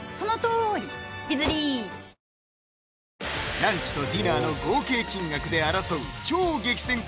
ランチとディナーの合計金額で争う超激戦区